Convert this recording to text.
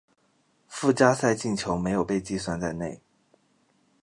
附加赛进球没有被计算在内。